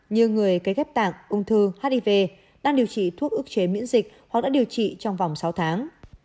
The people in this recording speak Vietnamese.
như người cấy ghép tạng ung thư hiv đang điều trị thuốc ước chế miễn dịch hoặc đã điều trị trong vòng sáu tháng